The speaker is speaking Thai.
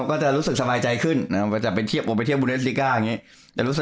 ก็จะรู้สึกสไงใจขึ้นถ้าจะไปเทียบอังกฤษอังกฤษ